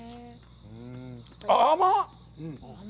甘っ！